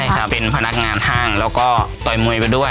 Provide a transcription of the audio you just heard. ใช่ครับเป็นพนักงานห้างแล้วก็ต่อยมวยไปด้วย